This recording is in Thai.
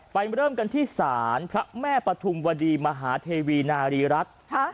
เริ่มกันที่ศาลพระแม่ปฐุมวดีมหาเทวีนารีรัฐ